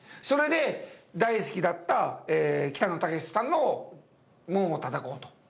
それで大好きだった北野武さんの門をたたこうと。